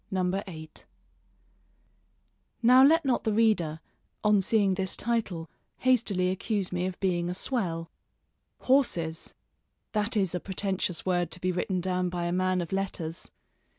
V MY HORSES Now let not the reader, on seeing this title, hastily accuse me of being a swell. Horses! That is a pretentious word to be written down by a man of letters!